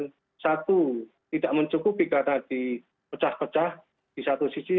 dan satu tidak mencukupi karena di pecah pecah di satu sisi